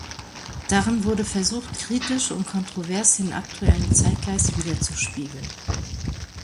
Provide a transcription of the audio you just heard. Darin wurde versucht, kritisch und kontrovers den aktuellen Zeitgeist widerzuspiegeln.